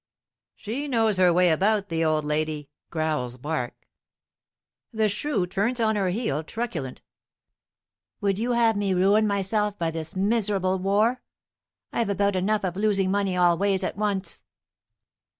"She knows her way about, the old lady," growls Barque. The shrew turns on her heel, truculent: "Would you have me ruin myself by this miserable war? I've about enough of losing money all ways at once."